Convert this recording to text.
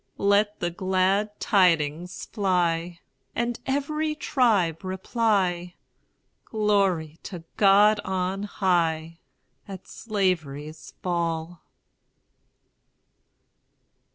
Let the glad tidings fly, And every tribe reply, Glory to God on high, At Slavery's fall!